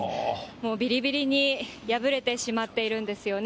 もうびりびりに破れてしまっているんですよね。